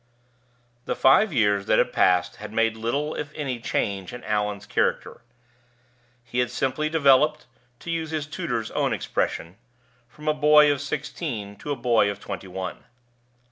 The five years that had passed had made little if any change in Allan's character. He had simply developed (to use his tutor's own expression) from a boy of sixteen to a boy of twenty one.